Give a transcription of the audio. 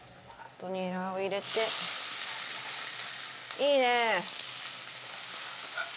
いいね！